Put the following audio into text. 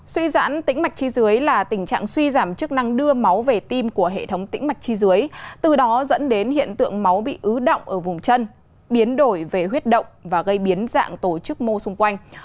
suy giãn tĩnh mạch chi dưới là tình trạng suy giảm chức năng đưa máu về tim của hệ thống tĩnh mạch chi dưới từ đó dẫn đến hiện tượng máu bị ứ động ở vùng chân biến đổi về huyết động và gây biến dạng tổ chức mô xung quanh